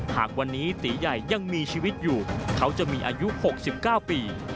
หากวันนี้ตีใหญ่ยังมีชีวิตอยู่เขาจะมีอายุ๖๙ปี